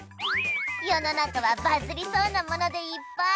世の中はバズりそうなものでいっぱい！